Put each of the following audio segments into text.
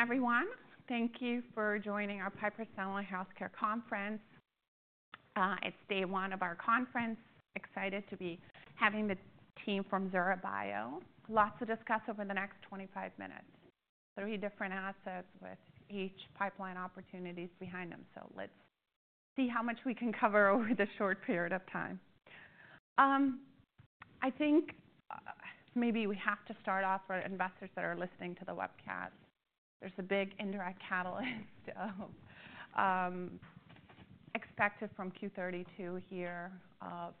Everyone, thank you for joining our Piper Sandler Healthcare Conference. It's day one of our conference. Excited to be having the team from Zura Bio. Lots to discuss over the next 25 minutes. Three different assets with each pipeline opportunities behind them, so let's see how much we can cover over the short period of time. I think, maybe we have to start off for investors that are listening to the webcast. There's a big indirect catalyst expected from Q32 here of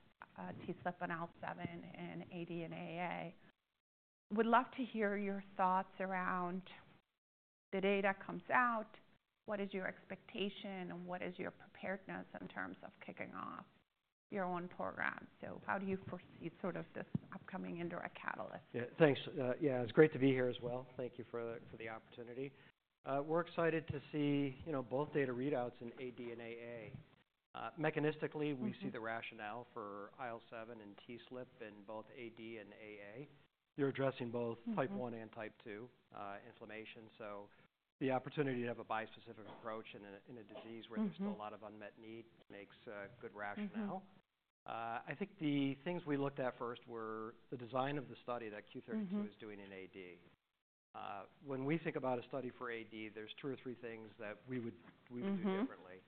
TSLP and IL-7 and AD and AA. Would love to hear your thoughts around the data that comes out. What is your expectation, and what is your preparedness in terms of kicking off your own program? So how do you foresee sort of this upcoming indirect catalyst? Yeah, thanks. Yeah, it's great to be here as well. Thank you for the opportunity. We're excited to see, you know, both data readouts in AD and AA. Mechanistically, we see the rationale for IL-7 and TSLP in both AD and AA. You're addressing both type 1 and type 2 inflammation. So the opportunity to have a bispecific approach in a disease where there's still a lot of unmet need makes good rationale. I think the things we looked at first were the design of the study that Q32 is doing in AD. When we think about a study for AD, there's two or three things that we would do differently.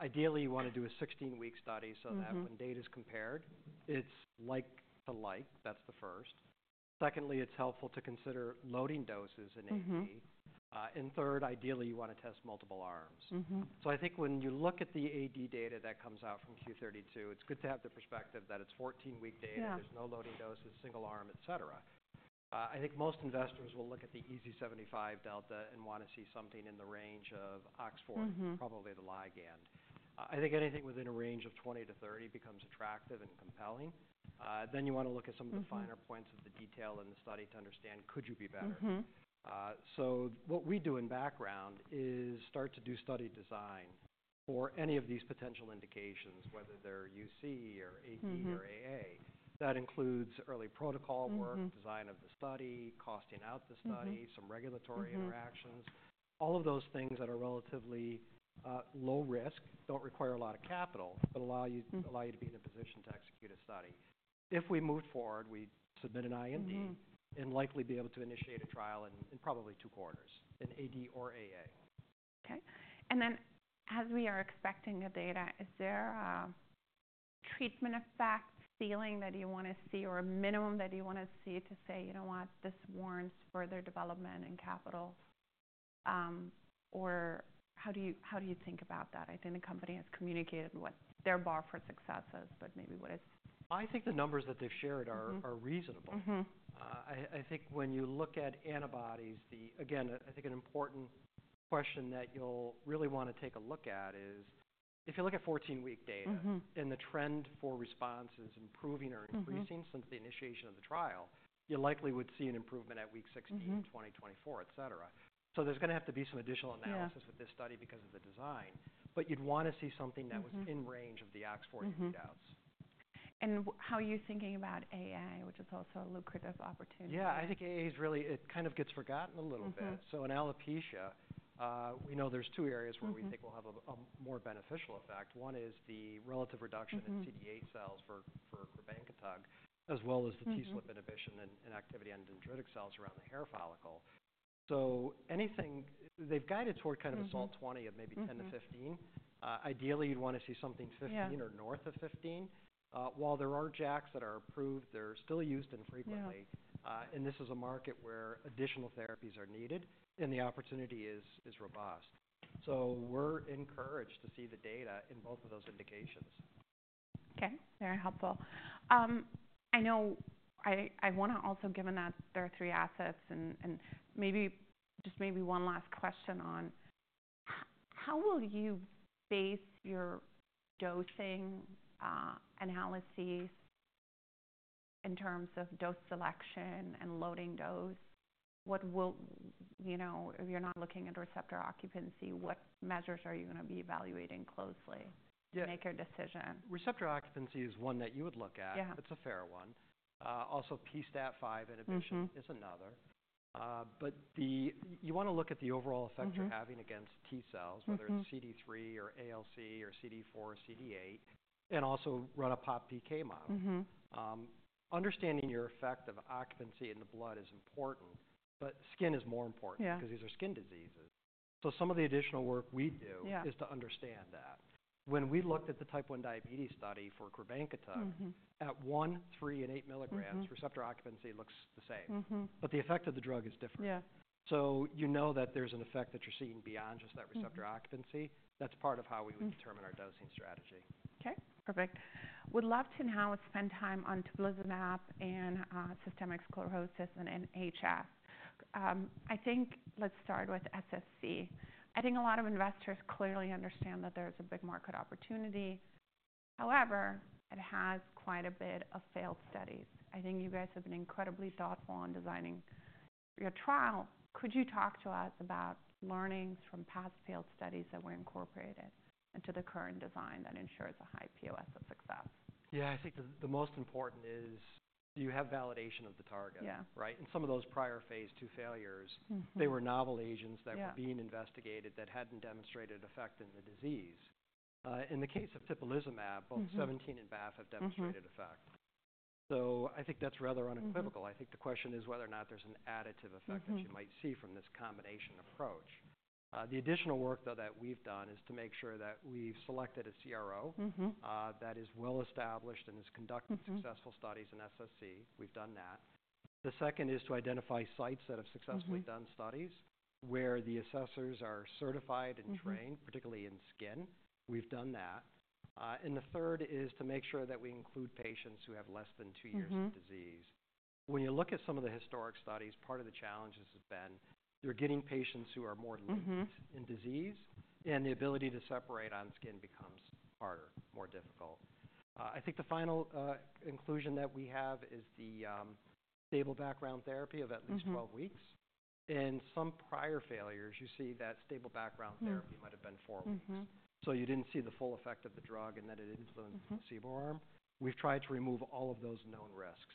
Ideally, you wanna do a 16-week study so that when data's compared, it's like to like. That's the first. Secondly, it's helpful to consider loading doses in AD. Mm-hmm. and third, ideally, you wanna test multiple arms. Mm-hmm. So I think when you look at the AD data that comes out from Q32, it's good to have the perspective that it's 14-week data. Mm-hmm. There's no loading doses, single arm, etc. I think most investors will look at the EASI-75 delta and wanna see something in the range of OX40. Mm-hmm. Probably the ligand. I think anything within a range of 20-30 becomes attractive and compelling. Then you wanna look at some of the finer points of the detail in the study to understand, could you be better? Mm-hmm. So what we do in background is start to do study design for any of these potential indications, whether they're UC or AD or AA. Mm-hmm. That includes early protocol work. Mm-hmm. Design of the study, costing out the study. Mm-hmm. Some regulatory interactions. Mm-hmm. All of those things that are relatively low risk, don't require a lot of capital, but allow you. Mm-hmm. Allow you to be in a position to execute a study. If we move forward, we submit an IND. Mm-hmm. Likely be able to initiate a trial in probably two quarters in AD or AA. Okay. And then, as we are expecting the data, is there a treatment effect feeling that you wanna see, or a minimum that you wanna see to say, you know what, this warrants further development and capital? Or how do you think about that? I think the company has communicated what their bar for success is, but maybe what is. I think the numbers that they've shared are. Mm-hmm. Are reasonable. Mm-hmm. I think when you look at antibodies, then again, I think an important question that you'll really wanna take a look at is if you look at 14-week data. Mm-hmm. The trend for response is improving or increasing. Mm-hmm. Since the initiation of the trial, you likely would see an improvement at week 16. Mm-hmm. In 2024, etc. So there's gonna have to be some additional analysis. Mm-hmm. With this study because of the design, but you'd wanna see something that was in range of the OX40 readouts. Mm-hmm. And how are you thinking about AA, which is also a lucrative opportunity? Yeah, I think AA's really it kind of gets forgotten a little bit. Mm-hmm. So in alopecia, we know there's two areas where we think will have a more beneficial effect. One is the relative reduction in CD8 cells for teplizumab, as well as the TSLP inhibition and activity on dendritic cells around the hair follicle. So anything they've guided toward kind of a SALT20 of maybe 10 to 15. Mm-hmm. Ideally, you'd wanna see something 15. Mm-hmm. Or north of 15. While there are JAKs that are approved, they're still used infrequently. Yeah. And this is a market where additional therapies are needed, and the opportunity is robust. So we're encouraged to see the data in both of those indications. Okay. Very helpful. I know I wanna also, given that there are three assets and maybe just one last question on how will you base your dosing analyses in terms of dose selection and loading dose? You know, if you're not looking at receptor occupancy, what measures are you gonna be evaluating closely to make your decision? Yeah. Receptor occupancy is one that you would look at. Yeah. It's a fair one. Also, pSTAT5 inhibition. Mm-hmm. It's another, but the way you wanna look at the overall effect you're having against T cells. Mm-hmm. Whether it's CD3 or ILC or CD4 or CD8, and also run a PopPK model. Mm-hmm. Understanding your effect of occupancy in the blood is important, but skin is more important. Yeah. 'Cause these are skin diseases. So some of the additional work we do. Yeah. is to understand that. When we looked at the type 1 diabetes study for teplizumab. Mm-hmm. At one, three, and eight milligrams, receptor occupancy looks the same. Mm-hmm. But the effect of the drug is different. Yeah. You know that there's an effect that you're seeing beyond just that receptor occupancy. That's part of how we would determine our dosing strategy. Okay. Perfect. Would love to now spend time on tibulizumab and systemic sclerosis and HS. I think let's start with SSc. I think a lot of investors clearly understand that there's a big market opportunity. However, it has quite a bit of failed studies. I think you guys have been incredibly thoughtful in designing your trial. Could you talk to us about learnings from past failed studies that were incorporated into the current design that ensures a high POS of success? Yeah, I think the most important is, do you have validation of the target? Yeah. Right? And some of those prior phase two failures. Mm-hmm. They were novel agents that were. Yeah. Being investigated that hadn't demonstrated effect in the disease. In the case of tibulizumab, both IL-17 and BAFF have demonstrated effect. So I think that's rather unequivocal. I think the question is whether or not there's an additive effect that you might see from this combination approach. The additional work, though, that we've done is to make sure that we've selected a CRO. Mm-hmm. that is well-established and has conducted. Mm-hmm. Successful studies in SSC. We've done that. The second is to identify sites that have successfully done studies where the assessors are certified and trained, particularly in skin. We've done that, and the third is to make sure that we include patients who have less than two years of disease. Mm-hmm. When you look at some of the historical studies, part of the challenges has been you're getting patients who are more late in disease, and the ability to separate on skin becomes harder, more difficult. I think the final inclusion that we have is the stable background therapy of at least 12 weeks. Mm-hmm. And some prior failures. You see that stable background therapy might have been four weeks. Mm-hmm. So you didn't see the full effect of the drug and that it influenced the placebo arm. We've tried to remove all of those known risks.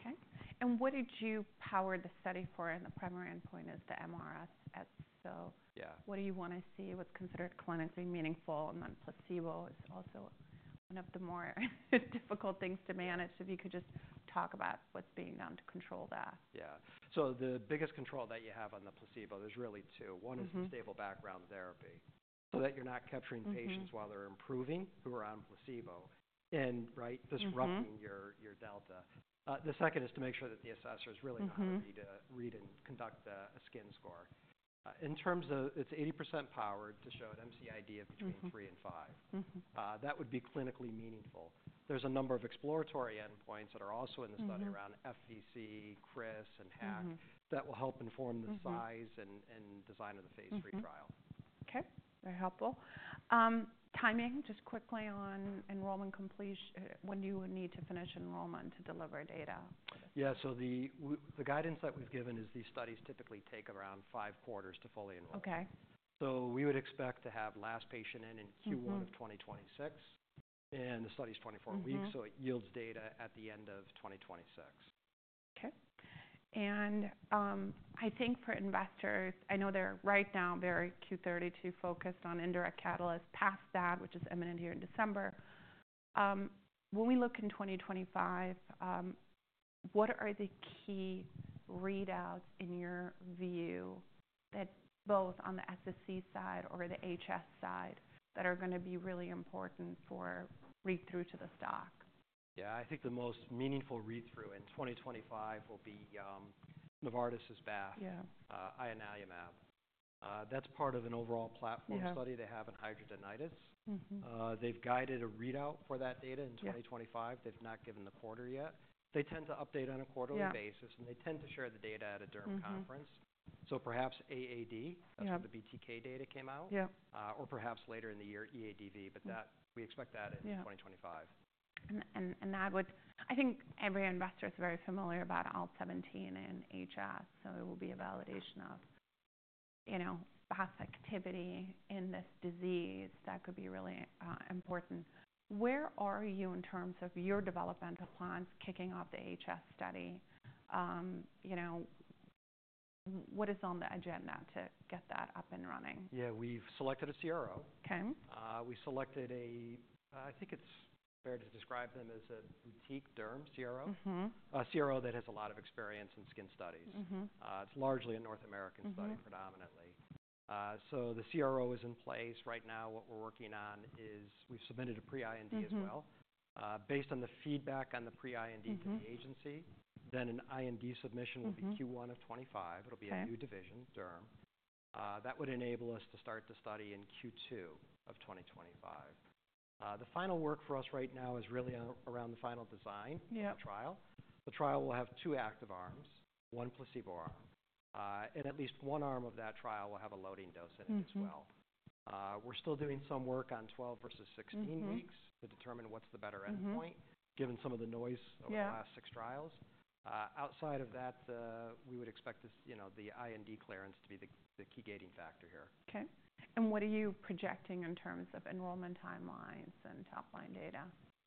Okay. And what did you power the study for? And the primary endpoint is the mRSS, so. Yeah. What do you wanna see? What's considered clinically meaningful? And then, placebo is also one of the more difficult things to manage. If you could just talk about what's being done to control that. Yeah. So the biggest control that you have on the placebo, there's really two. Mm-hmm. One is the stable background therapy. So that you're not capturing patients while they're improving who are on placebo. And, right? Disrupting your delta. The second is to make sure that the assessor's really not ready to read and conduct a skin score. In terms of it's 80% powered to show an MCID of between three and five. Mm-hmm. that would be clinically meaningful. There's a number of exploratory endpoints that are also in the study around FVC, CRIS, and HAQ-DI. Mm-hmm. That will help inform the size and design of the phase 3 trial. Okay. Very helpful. Timing, just quickly on enrollment completion, when do you need to finish enrollment to deliver data? Yeah, so the guidance that we've given is these studies typically take around five quarters to fully enroll. Okay. We would expect to have last patient in Q1 of 2026. Mm-hmm. The study's 24 weeks. Mm-hmm. It yields data at the end of 2026. Okay. And I think for investors, I know they're right now very Q32 focused on indirect catalyst. Past that, which is imminent here in December, when we look in 2025, what are the key readouts in your view that both on the SSC side or the HS side that are gonna be really important for read-through to the stock? Yeah, I think the most meaningful read-through in 2025 will be Novartis's BAFF. Yeah. ianalumab. That's part of an overall platform study. Yeah. They have on hidradenitis. Mm-hmm. They've guided a readout for that data in 2025. Yeah. They've not given the quarter yet. They tend to update on a quarterly basis. Yeah. And they tend to share the data at a derm conference. Mm-hmm. Perhaps AAD. Yeah. That's when the BTK data came out. Yeah. or perhaps later in the year, EADV, but that we expect that in. Yeah. 2025. That would, I think, every investor's very familiar about IL-17 and HS, so it will be a validation of, you know, past activity in this disease that could be really important. Where are you in terms of your developmental plans kicking off the HS study? You know, what is on the agenda to get that up and running? Yeah, we've selected a CRO. Okay. We selected a, I think it's fair to describe them as a boutique derm CRO. Mm-hmm. A CRO that has a lot of experience in skin studies. Mm-hmm. It's largely a North American study, predominantly. Mm-hmm. So the CRO is in place. Right now, what we're working on is we've submitted a pre-IND as well. Mm-hmm. Based on the feedback on the pre-IND to the agency. Mm-hmm. Then an IND submission will be Q1 of 2025. Okay. It'll be a new division, derm, that would enable us to start the study in Q2 of 2025. The final work for us right now is really around the final design. Yeah. Of the trial. The trial will have two active arms, one placebo arm, and at least one arm of that trial will have a loading dose in it as well. Mm-hmm. We're still doing some work on 12 versus 16 weeks. Mm-hmm. To determine what's the better endpoint. Mm-hmm. Given some of the noise over the last six trials. Yeah. Outside of that, we would expect this, you know, the IND clearance to be the key gating factor here. Okay. And what are you projecting in terms of enrollment timelines and top-line data?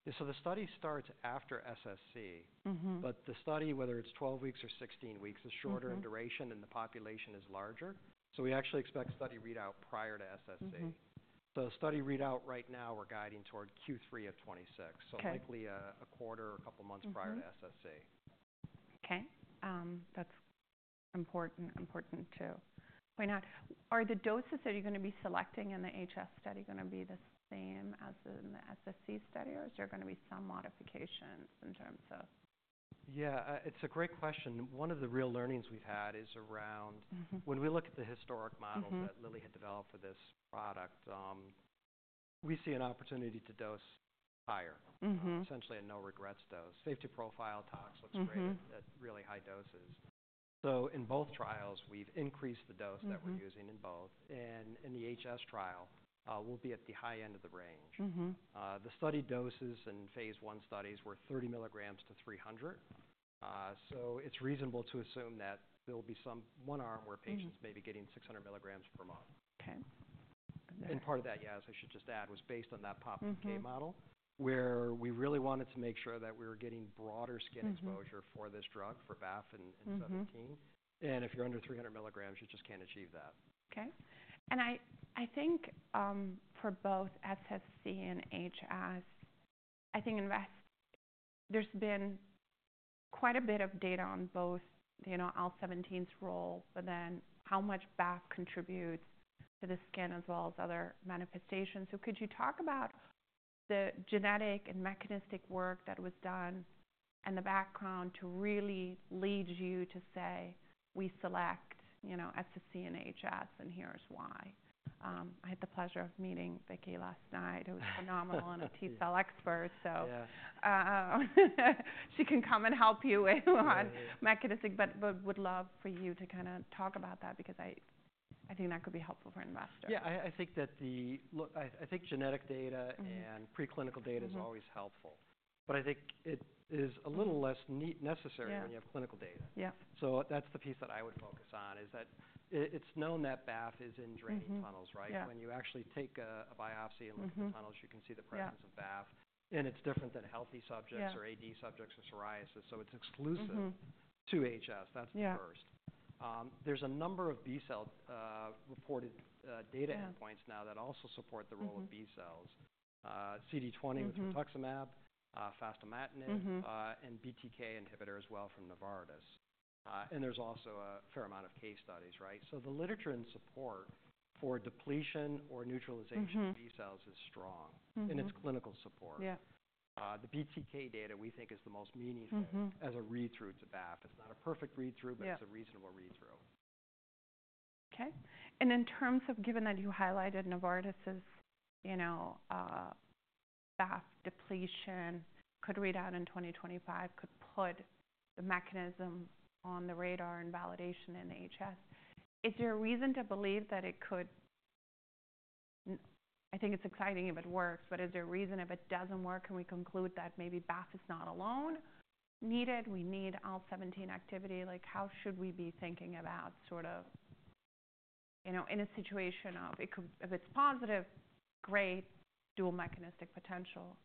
Yeah, so the study starts after SSC. Mm-hmm. But the study, whether it's 12 weeks or 16 weeks, is shorter in duration. Mm-hmm. The population is larger. We actually expect study readout prior to SSC. Mm-hmm. Study readout right now, we're guiding toward Q3 of 2026. Okay. So likely a quarter or a couple months prior to SSC. Okay. That's important, important too. Why not are the doses that you're gonna be selecting in the HS study gonna be the same as in the SSC study, or is there gonna be some modifications in terms of? Yeah, it's a great question. One of the real learnings we've had is around. Mm-hmm. When we look at the historic models that Lilly had developed for this product, we see an opportunity to dose higher. Mm-hmm. Essentially a no-regrets dose. Safety profile tox looks great. Mm-hmm. At really high doses. So in both trials, we've increased the dose that we're using in both. Mm-hmm. In the HS trial, we'll be at the high end of the range. Mm-hmm. The study doses in phase 1 studies were 30 milligrams to 300. So it's reasonable to assume that there'll be some one arm where patients may be getting 600 milligrams per month. Okay. And part of that, yeah, as I should just add, was based on that PopPK model. Mm-hmm. Where we really wanted to make sure that we were getting broader skin exposure for this drug, for BAFF and IL-17. Mm-hmm. If you're under 300 milligrams, you just can't achieve that. Okay. And I think, for both SSC and HS, I think in SSc there's been quite a bit of data on both, you know, IL-17's role, but then how much BAFF contributes to the skin as well as other manifestations. So could you talk about the genetic and mechanistic work that was done and the background to really lead you to say, "We select, you know, SSC and HS, and here's why"? I had the pleasure of meeting Vicki last night. Yeah. Who's a phenomenal T-cell expert, so. Yeah. She can come and help you with on mechanistic, but would love for you to kinda talk about that because I think that could be helpful for investors. Yeah, I think genetic data and preclinical data is always helpful. Yeah. But I think it is a little less necessary. Yeah. When you have clinical data. Yeah. That's the piece that I would focus on is that it's known that BAFF is in dendritic cells, right? Yeah. When you actually take a biopsy and look at the tunnels, you can see the presence of BAFF. Yeah. It's different than healthy subjects or AD subjects or psoriasis, so it's exclusive. Mm-hmm. To HS. That's the first. Yeah. There's a number of B cell-reported data endpoints now that also support the role of B cells. Mm-hmm. CD20 with rituximab, fostamatinib. Mm-hmm. And BTK inhibitor as well from Novartis. And there's also a fair amount of case studies, right? So the literature and support for depletion or neutralization of B cells is strong. Mm-hmm. It's clinical support. Yeah. the BTK data we think is the most meaningful. Mm-hmm. As a readout to BAFF. It's not a perfect readout. Yeah. But it's a reasonable read-through. Okay. And in terms of given that you highlighted Novartis's, you know, BAFF depletion could read out in 2025, could put the mechanism on the radar and validation in HS, is there a reason to believe that it couldn't? I think it's exciting if it works, but is there a reason if it doesn't work, can we conclude that maybe BAFF is not alone needed? We need IL-17 activity. Like, how should we be thinking about sort of, you know, in a situation of it could if it's positive, great, dual mechanistic potential,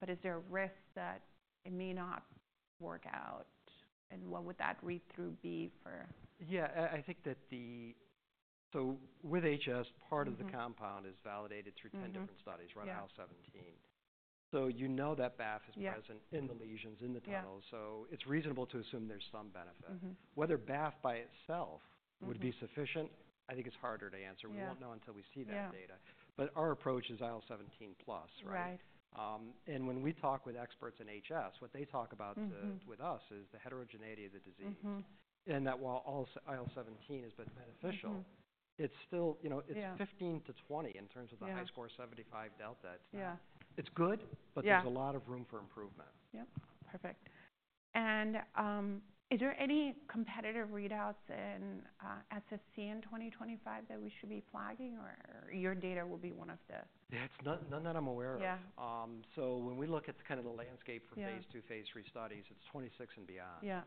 but is there a risk that it may not work out? And what would that read-through be for? Yeah, I think that, so with HS, part of the compound is validated through 10 different studies. Yeah. Run IL-17, so you know that BAFF is present. Yeah. In the lesions, in the tunnels. Yeah. So it's reasonable to assume there's some benefit. Mm-hmm. Whether BAF by itself would be sufficient, I think it's harder to answer. Yeah. We won't know until we see that data. Yeah. But our approach is IL-17 plus, right? Right. And when we talk with experts in HS, what they talk about with us is the heterogeneity of the disease. Mm-hmm. That while IL-17 has been beneficial. Mm-hmm. It's still, you know, it's. Yeah. 15%-20% in terms of the EASI-75 delta. Yeah. It's good, but there's a lot of room for improvement. Yep. Perfect. And is there any competitive readouts in SSC in 2025 that we should be flagging, or your data will be one of the? Yeah, it's none that I'm aware of. Yeah. So when we look at kinda the landscape for phase 2, phase 3 studies, it's 26 and beyond. Yeah.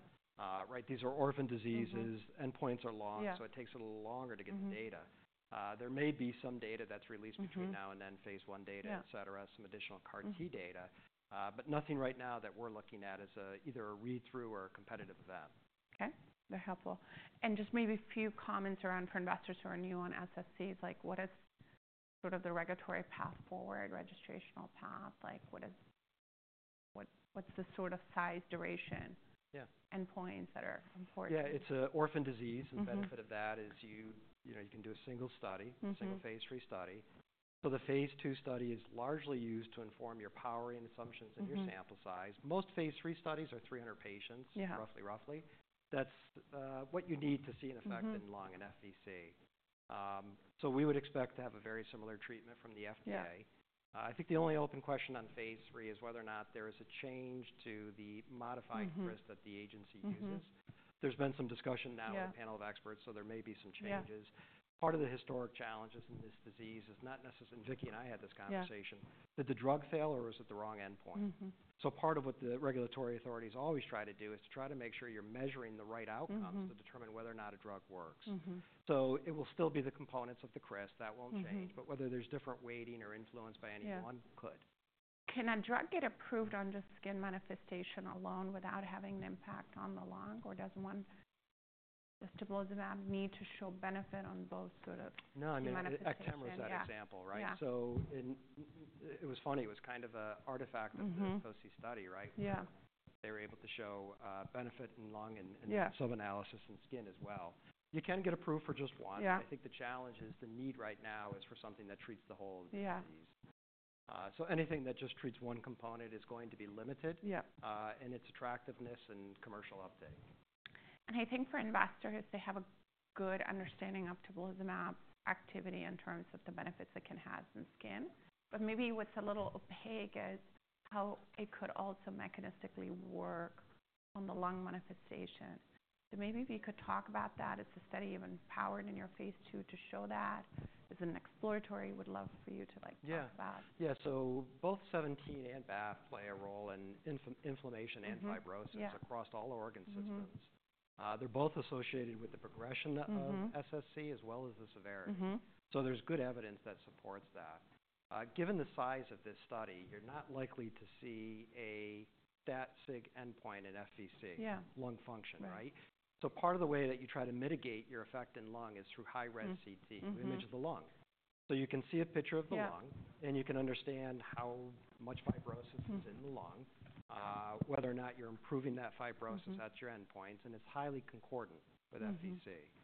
right? These are orphan diseases. Yeah. Endpoints are long. Yeah. So it takes a little longer to get the data. Mm-hmm. There may be some data that's released between now and then. Yeah. phase 1 data, etc., some additional CAR T data. Mm-hmm. but nothing right now that we're looking at as either a read-through or a competitive event. Okay. Very helpful, and just maybe a few comments around for investors who are new on SSCs, like, what is sort of the regulatory path forward, registrational path? Like, what is what, what's the sort of size, duration? Yeah. Endpoints that are important? Yeah, it's an orphan disease. Mm-hmm. And the benefit of that is you, you know, you can do a single study. Mm-hmm. Single phase 3 study. So the phase 2 study is largely used to inform your power and assumptions and your sample size. Mm-hmm. Most phase 3 studies are 300 patients. Yeah. Roughly. That's what you need to see in effect in lung FVC, so we would expect to have a very similar treatment from the FDA. Yeah. I think the only open question on phase 3 is whether or not there is a change to the modified. Mm-hmm. CRIS that the agency uses. Mm-hmm. There's been some discussion now. Yeah. In the panel of experts, so there may be some changes. Yeah. Part of the historic challenges in this disease is not necessarily, and Vicky and I had this conversation. Yeah. Is it the drug fail or is it the wrong endpoint? Mm-hmm. So part of what the regulatory authorities always try to do is to try to make sure you're measuring the right outcomes. Mm-hmm. To determine whether or not a drug works. Mm-hmm. So it will still be the components of the CRIS, that won't change. Mm-hmm. But whether there's different weighting or influence by anyone. Yeah. Could. Can a drug get approved on just skin manifestation alone without having an impact on the lungs, or does one need to show benefit on both sort of manifestations? No, I mean, Actemra is that example, right? Yeah. So, in n it was funny. It was kind of an artifact of the. Mm-hmm. focuSSced study, right? Yeah. They were able to show benefit in lung and. Yeah. Some analysis in skin as well. You can get approved for just one. Yeah. I think the challenge is the need right now is for something that treats the whole disease. Yeah. So anything that just treats one component is going to be limited. Yeah. in its attractiveness and commercial uptake. I think for investors, they have a good understanding of IL-17 blocking activity in terms of the benefits it can have in skin, but maybe what's a little opaque is how it could also mechanistically work on the lung manifestation. Maybe if you could talk about that, is the study even powered in your phase 2 to show that? Is it an exploratory? Would love for you to, like, talk about. Yeah. Yeah, so both 17 and BAF play a role in inflammation and fibrosis. Yeah. Across all organ systems. Mm-hmm. They're both associated with the progression of. Mm-hmm. SSC as well as the severity. Mm-hmm. There's good evidence that supports that. Given the size of this study, you're not likely to see a significant endpoint in FVC. Yeah. Lung function, right? Right. So part of the way that you try to mitigate your effect in lung is through high-res CT. Mm-hmm. The image of the lung. So you can see a picture of the lung. Yeah. You can understand how much fibrosis is in the lung. Mm-hmm. Whether or not you're improving that fibrosis, that's your endpoint, and it's highly concordant with FVC. Mm-hmm.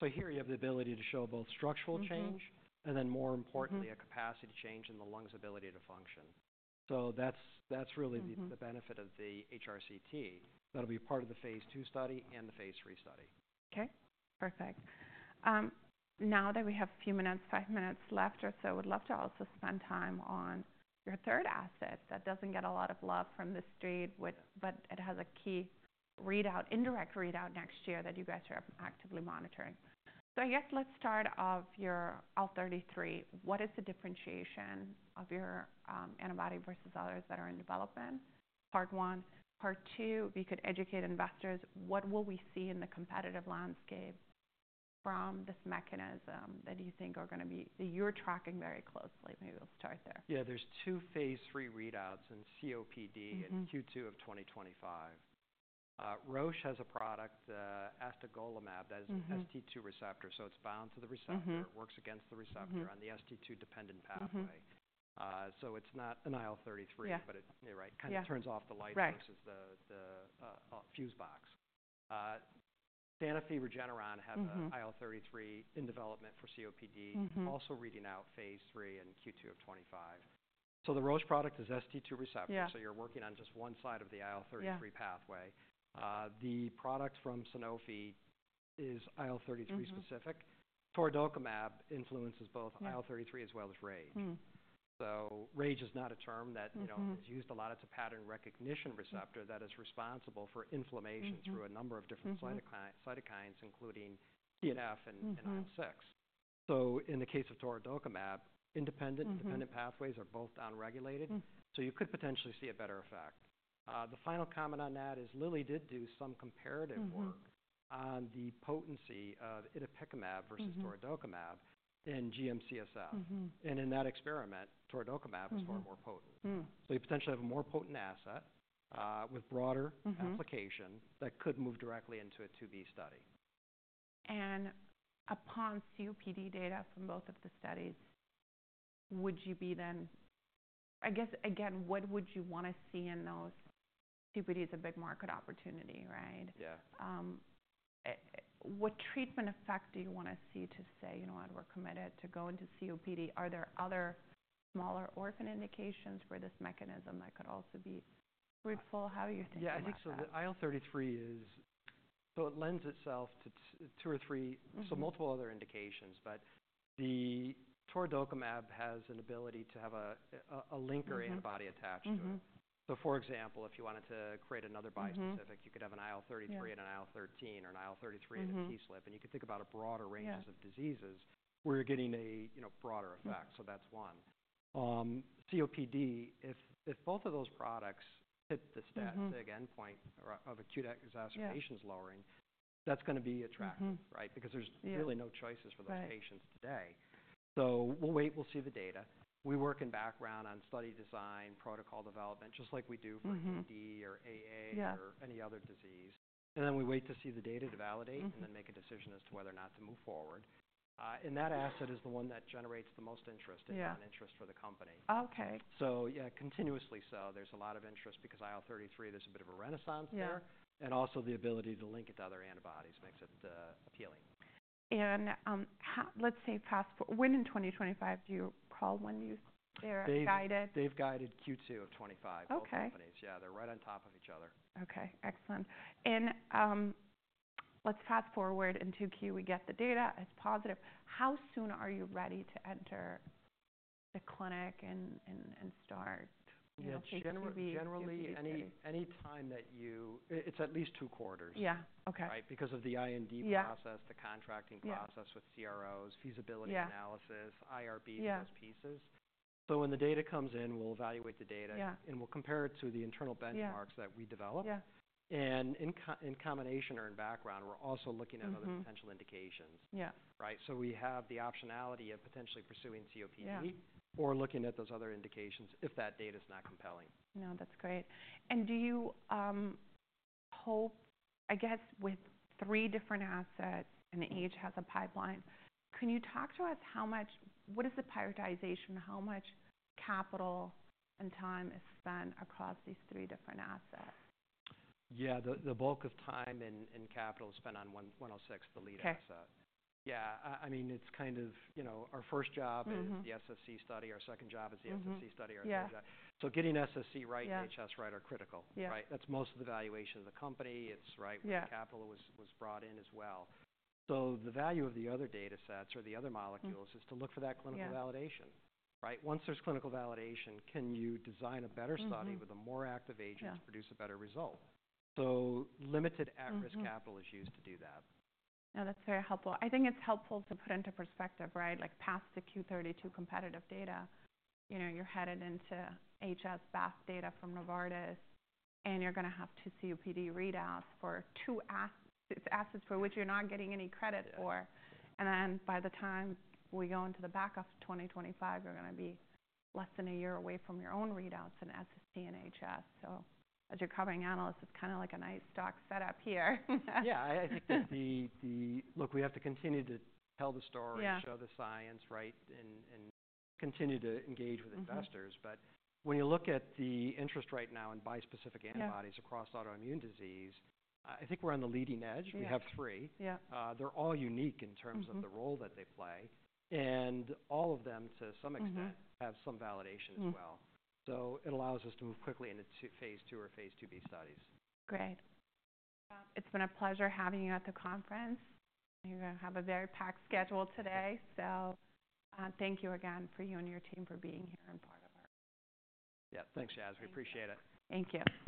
So here you have the ability to show both structural change. Mm-hmm. And then, more importantly, a capacity change in the lung's ability to function. So that's, that's really the. Mm-hmm. The benefit of the HRCT. That'll be part of the phase 2 study and the phase 3 study. Okay. Perfect. Now that we have a few minutes, five minutes left or so, I would love to also spend time on your third asset that doesn't get a lot of love from the street, which but it has a key readout, indirect readout next year that you guys are actively monitoring. So I guess let's start off your IL-33. What is the differentiation of your antibody versus others that are in development? Part one. Part two, if you could educate investors, what will we see in the competitive landscape from this mechanism that you think are gonna be that you're tracking very closely? Maybe we'll start there. Yeah, there's two phase 3 readouts in COPD and Q2 of 2025. Mm-hmm. Roche has a product, astegolimab that is. Mm-hmm. An ST2 receptor, so it's bound to the receptor. Mm-hmm. It works against the receptor on the ST2-dependent pathway. Mm-hmm. So it's not an IL-33. Yeah. But it, you're right. Right. Kinda turns off the light versus the fuse box. Sanofi Regeneron have a. Mm-hmm. IL-33 in development for COPD. Mm-hmm. Also, reading out phase 3 in Q2 of 2025. So the Roche product is ST2 receptor. Yeah. So you're working on just one side of the IL-33 pathway. Yeah. The product from Sanofi is IL-33 specific. Torudokimab influences both IL-33 as well as RAGE. Mm-hmm. RAGE is not a term that, you know. Mm-hmm. is used a lot. It's a pattern recognition receptor that is responsible for inflammation through a number of different cytokines, including TNF and IL-6. Mm-hmm. In the case of torudokimab, independent. Mm-hmm. Independent pathways are both downregulated. Mm-hmm. So you could potentially see a better effect. The final comment on that is Lilly did do some comparative work. Mm-hmm. On the potency of itepekimab versus torudokimab in GM-CSF. Mm-hmm. In that experiment, Torudokimab was far more potent. Mm-hmm. So you potentially have a more potent asset, with broader. Mm-hmm. Application that could move directly into a 2b study. Upon COPD data from both of the studies, would you be then I guess, again, what would you wanna see in those? COPD's a big market opportunity, right? Yeah. What treatment effect do you wanna see to say, you know, "And we're committed to going to COPD"? Are there other smaller orphan indications for this mechanism that could also be fruitful? How do you think of this? Yeah, I think so the IL-33 is so it lends itself to T2 or 3. Mm-hmm. Multiple other indications, but the torudokimab has an ability to have a linker antibody attached to it. Mm-hmm. So, for example, if you wanted to create another bispecific. Mm-hmm. You could have an IL-33. Yeah. And an IL-13 or an IL-33. Mm-hmm. And a TSLP, and you could think about a broader range. Yeah. Of diseases where you're getting a, you know, broader effect. Mm-hmm. That's one. COPD, if both of those products hit the static endpoint or of acute exacerbations lowering. Yeah. That's gonna be attractive, right? Yeah. Because there's really no choices for those patients today. Right. So we'll wait, we'll see the data. We work in background on study design, protocol development, just like we do for. Mm-hmm. AD or AA. Yeah. Or any other disease. And then we wait to see the data to validate. Mm-hmm. And then make a decision as to whether or not to move forward. And that asset is the one that generates the most interest. Yeah. Interest for the company. Okay. So, yeah, continuously so. There's a lot of interest because IL-33, there's a bit of a renaissance there. Yeah. Also, the ability to link it to other antibodies makes it appealing. How, let's say, fast forward when in 2025, do you recall when they've guided? They've guided Q2 of 2025. Okay. Both companies. Yeah. They're right on top of each other. Okay. Excellent. And, let's fast forward into Q. We get the data as positive. How soon are you ready to enter the clinic and start? Yeah, it's generally. Phase 2b? Generally, any time that you, it's at least two quarters. Yeah. Okay. Right? Because of the IND process. Yeah. The contracting process with CROs. Yeah. Feasibility analysis. Yeah. IRBs, those pieces. Yeah. So when the data comes in, we'll evaluate the data. Yeah. We'll compare it to the internal benchmarks. Yeah. That we develop. Yeah. In combination or in background, we're also looking at other potential indications. Yeah. Right? So we have the optionality of potentially pursuing COPD. Yeah. Or looking at those other indications if that data's not compelling. No, that's great. And do you hope, I guess, with three different assets and they have a pipeline, can you talk to us how much what is the prioritization? How much capital and time is spent across these three different assets? Yeah, the bulk of time and capital is spent on ZB-106, the lead asset. Okay. Yeah, I mean, it's kind of, you know, our first job. Mm-hmm. Is the SSC study. Our second job is the SSC study. Yeah. Our third job. Yeah. Getting SSC right. Yeah. HS, right, are critical. Yeah. Right? That's most of the valuation of the company. It's right? Yeah. Where the capital was, was brought in as well. So the value of the other data sets or the other molecules is to look for that clinical validation. Yeah. Right? Once there's clinical validation, can you design a better study with a more active agent to produce a better result? Yeah. So limited at-risk capital is used to do that. No, that's very helpful. I think it's helpful to put into perspective, right, like past the Q32 competitive data, you know, you're headed into HS BAFF data from Novartis, and you're gonna have two COPD readouts for two of its assets for which you're not getting any credit for. Yeah. Then by the time we go into the back of 2025, you're gonna be less than a year away from your own readouts in SSC and HS. As your covering analyst, it's kinda like a nice stock setup here. Yeah, I think that the look, we have to continue to tell the story. Yeah. Show the science, right, and continue to engage with investors. Mm-hmm. But when you look at the interest right now in bispecific antibodies. Mm-hmm. Across autoimmune disease, I think we're on the leading edge. Mm-hmm. We have three. Yeah. They're all unique in terms of the role that they play. Mm-hmm. And all of them, to some extent. Mm-hmm. Have some validation as well. Mm-hmm. So it allows us to move quickly into two phase 2 or phase 2B studies. Great. It's been a pleasure having you at the conference. You're gonna have a very packed schedule today, so, thank you again for you and your team for being here and part of our. Yeah, thanks, Yaz. Yeah. We appreciate it. Thank you.